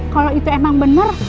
kalau itu emang bener